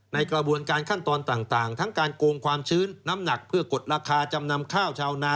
ในกระบวนการขั้นตอนต่างทั้งการโกงความชื้นน้ำหนักเพื่อกดราคาจำนำข้าวชาวนา